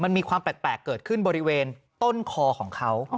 มันมีความแปลกเกิดขึ้นบริเวณต้นคอของเขา